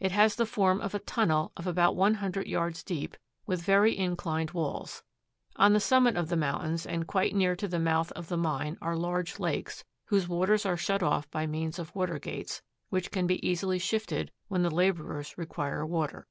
It has the form of a tunnel of about one hundred yards deep, with very inclined walls. On the summit of the mountains, and quite near to the mouth of the mine, are large lakes, whose waters are shut off by means of water gates, which can be easily shifted when the laborers require water.